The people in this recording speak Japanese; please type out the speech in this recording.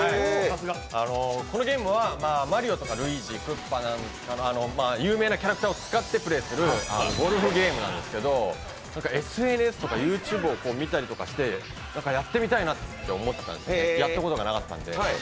このゲームはマリオとかルイージクッパなんかの有名なキャラクターを使ってプレーするゴルフゲームなんですけどＳＮＳとかＹｏｕＴｕｂｅを見たりしてやってみたいなって思ったんです、やったことがなかったので。